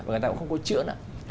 và người ta cũng không có chữa nữa